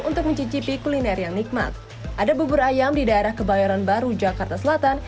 untuk mencicipi kuliner yang nikmat ada bubur ayam di daerah kebayoran baru jakarta selatan